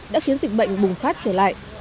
đã khiến dịch bệnh bùng phát trở lại